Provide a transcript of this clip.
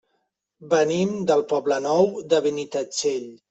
Venim del Poble Nou de Benitatxell.